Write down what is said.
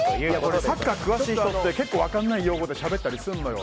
サッカー詳しい人も結構分からない用語でしゃべったりするのよ。